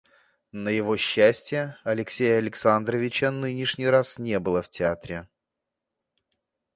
На его счастие, Алексея Александровича нынешний раз не было в театре.